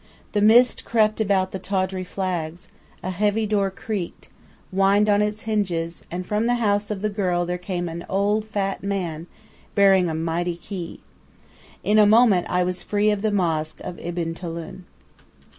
The mist crept about the tawdry flags, a heavy door creaked, whined on its hinges, and from the house of the girl there came an old, fat man bearing a mighty key. In a moment I was free of the mosque of Ibn Tulun.